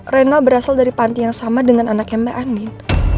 reina berasal dari pantiasuhan yang sama dengan anaknya mbak andin